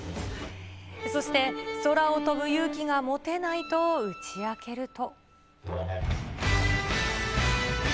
そして、空を飛ぶ勇気が持てないと打ち明けると。